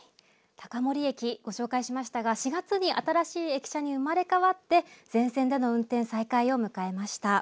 高森駅ご紹介しましたが４月に新しい駅舎に生まれ変わって全線での運転再開を迎えました。